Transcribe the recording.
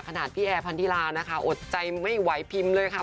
ขนาดพี่แอร์พันธิลานะคะอดใจไม่ไหวพิมพ์เลยค่ะ